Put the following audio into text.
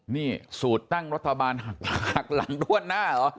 นี่สูตรตั้งรัฐบาลหักหลังถ้วนหน้าเหรอ